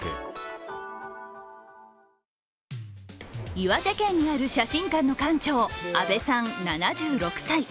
岩手県にある写真館の館長阿部さん７６歳。